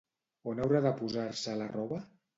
On haurà de posar-se la roba?